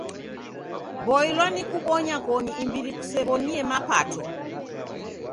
Boilwa ni kubonya koni imbiri kusew'oniemapato.